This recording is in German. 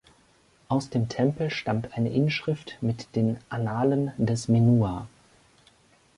Aus dem Tempel stammt eine Inschrift mit den Annalen des Menua.